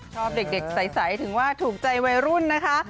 ชอบเด็กใสถึงว่าถูกใจวัยรุ่นนะคะ